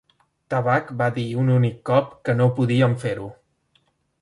Tabac va dir un únic cop que no podíem fer-ho.